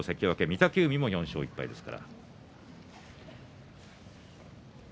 御嶽海も４勝１敗ですよ。